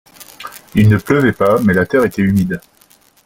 il ne pleuvait pas, mais la terre était humide.